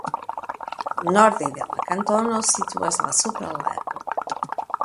Norde de la kantono situas la Supra Lago.